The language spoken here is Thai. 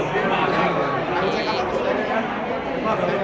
คุณภาพคุณภาพคุณภาพ